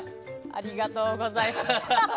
ありがとうございます。